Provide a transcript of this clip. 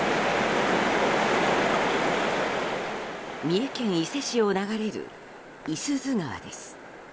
三重県伊勢市を流れる五十鈴川です。